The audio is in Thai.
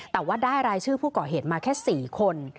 แต่ว่าได้รายชื่อผู้ก่อเหตุมาแค่๔คน